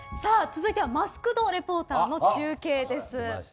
続いてはマスクド・レポーターの中継です。